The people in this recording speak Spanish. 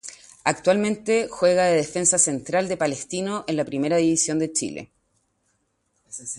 Actualmente juega de defensa central en Palestino en la Primera División de Chile.